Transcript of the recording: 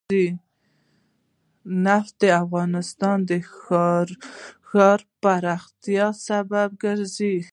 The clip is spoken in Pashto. نفت د افغانستان د ښاري پراختیا سبب کېږي.